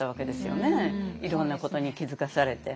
いろんなことに気付かされて。